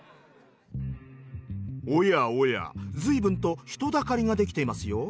おやおや随分と人だかりができてますよ。